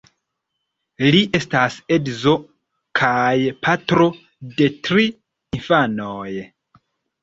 Li estas edzo kaj patro de tri infanoj.